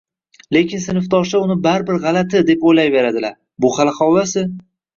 lekin sinfdoshlar uni baribir g‘alati, deb o‘ylayveradilar. Bu xali holvasi.